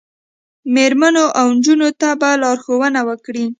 میرمنو او نجونو ته به لارښوونه وکړي